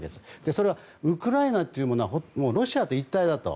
それは、ウクライナというものはロシアと一体だと。